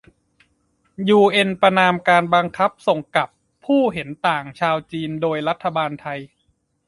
ยูเอ็นประณามการบังคับส่งกลับผู้เห็นต่างชาวจีนโดยรัฐบาลไทย